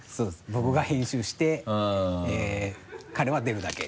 僕が編集して彼は出るだけ。